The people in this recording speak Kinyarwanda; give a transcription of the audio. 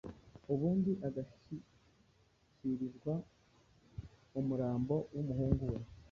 ubundi agashyikirizwa umurambo w umuhungu we